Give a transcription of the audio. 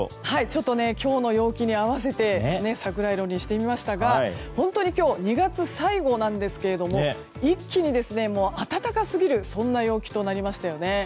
ちょっと今日の陽気に合わせて桜色にしてみましたが本当に今日は２月最後なんですが一気に、暖かすぎる陽気となりましたよね。